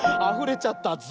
あふれちゃった。